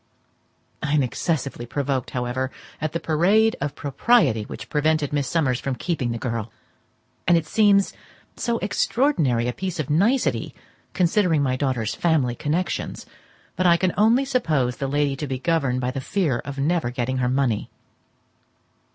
I am excessively provoked, however, at the parade of propriety which prevented Miss Summers from keeping the girl; and it seems so extraordinary a piece of nicety, considering my daughter's family connections, that I can only suppose the lady to be governed by the fear of never getting her money.